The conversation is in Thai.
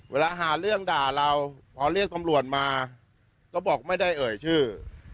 เวลาหาเรื่องด่าเราพอเรียกตำรวจมาก็บอกไม่ได้เอ่ยชื่อ